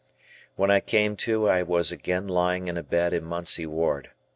} When I came to I was again lying in a bed in Munsey Ward.